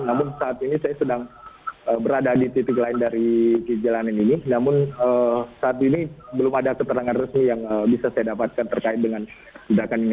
namun saat ini saya sedang berada di titik lain dari jalanan ini namun saat ini belum ada keterangan resmi yang bisa saya dapatkan terkait dengan ledakan ini